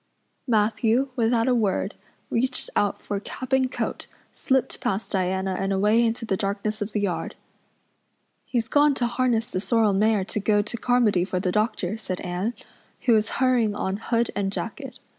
Matthew, without a word, reached out for cap and coat, slipped past Diana and away into the darkness of the yard. "He's gone to harness the sorrel mare to go to Carmody for the doctor," said Anne, who was hurrying on hood and jacket.